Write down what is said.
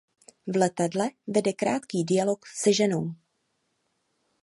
V letadle vede krátký dialog se ženou.